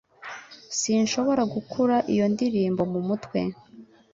Sinshobora gukura iyo ndirimbo mumutwe